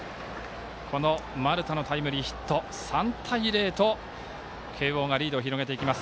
この丸田のタイムリーヒット３対０と慶応がリードを広げていきます。